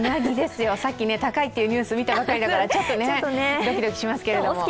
さっき高いというニュースを見たばかりだから、ちょっとドキドキしますけど。